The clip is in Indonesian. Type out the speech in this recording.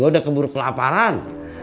gua udah keburu kelaparan